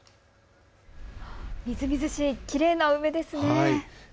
みずみずしい、きれいな梅ですね。